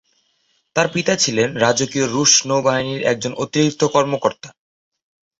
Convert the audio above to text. তার পিতা ছিলেন রাজকীয় রুশ নৌবাহিনীর একজন অতিরিক্ত কর্মকর্তা।